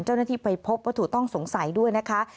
เจ้าหน้าที่ไปพบวัตถุต้องสงสัยด้วยนะคะ